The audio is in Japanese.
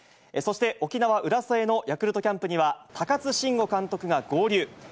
そして沖縄・浦添のヤクルトキャンプには、高津臣吾監督が合流。